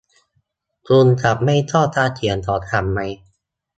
คุณจะไม่ชอบการเขียนของฉันมั้ย